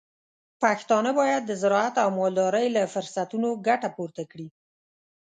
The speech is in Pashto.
پښتانه بايد د زراعت او مالدارۍ له فرصتونو ګټه پورته کړي.